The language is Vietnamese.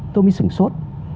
tôi mới sửng sốt